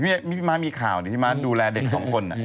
พี่ม้าก็มีพี่ม้ามีข่าวนี่พี่ม้าดูแลเด็ก๒คน